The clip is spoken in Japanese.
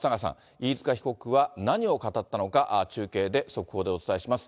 飯塚被告は何を語ったのか、中継で、速報でお伝えします。